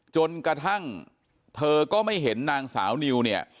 จนกระทั่งเธอก็ไม่เห็นนางสาวนิวเนี่ย